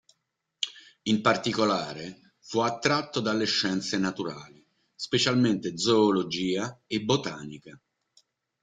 In particolare fu attratto dalle scienze naturali, specialmente zoologia e botanica.